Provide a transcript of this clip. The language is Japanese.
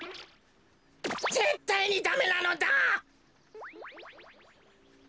ぜったいにダメなのだ！